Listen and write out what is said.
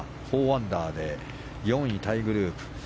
４アンダーで４位タイグループ。